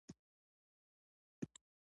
یوازې تشریفاتي ملاقات وو.